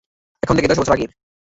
এখন থেকে দশ বছর আগের।